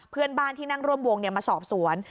เพื่อนบ้านที่นั่งร่วมวงมาสอบสวน